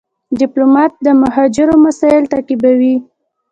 ډيپلومات د مهاجرو مسایل تعقیبوي.